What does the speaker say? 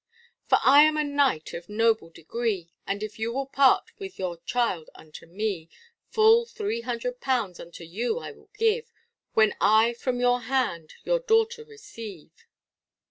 For I am a Knight of noble degree, And if you will part with your child unto me, Full three hundred pounds unto you I will give, When I from your hand your daughter receive.